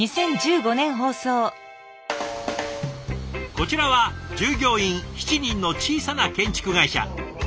こちらは従業員７人の小さな建築会社。